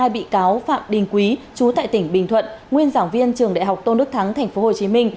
hai bị cáo phạm đình quý chú tại tỉnh bình thuận nguyên giảng viên trường đại học tôn đức thắng tp hcm